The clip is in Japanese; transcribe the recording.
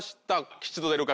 吉と出るか？